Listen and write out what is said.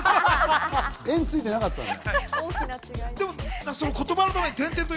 円ついてなかったんだ。